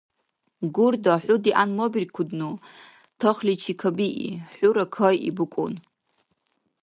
Гурда, хӀу дигӀянмабиркудну, тахличи кабии. ХӀура кайи, букӀун.